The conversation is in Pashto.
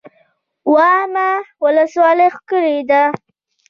واما ولسوالۍ ښکلې ده؟